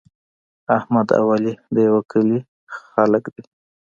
احمد او علي د یوه کلي خلک دي.